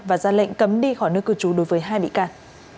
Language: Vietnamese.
và ra lệnh cấm đi khỏi nơi cư trú đối với hai bị can